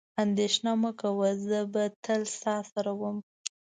اندېښنه مه کوه، زه به تل ستا سره وم.